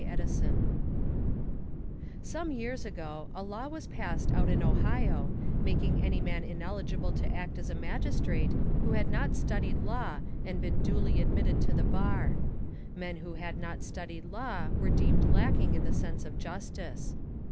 EDISON Photogravure from drawing by Gaspard] Some years ago, a law was passed out in Ohio, making any man ineligible to act as a magistrate who had not studied law and been duly admitted to the bar. Men who had not studied law were deemed lacking in the sense of justice.